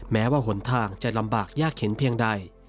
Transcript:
แม้ว่าหนทางจะลำบากยากเข็นเพียงใด